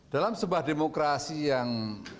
dalam sebuah demokrasi yang